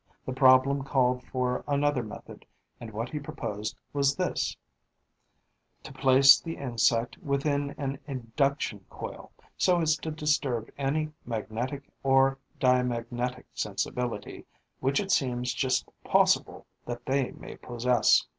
The problem called for another method; and what he proposed was this: 'To place the insect within an induction coil, so as to disturb any magnetic or diamagnetic sensibility which it seems just possible that they may possess.'